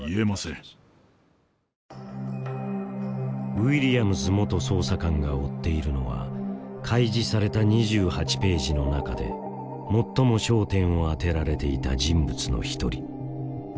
ウィリアムズ元捜査官が追っているのは開示された２８ページの中で最も焦点を当てられていた人物の一人。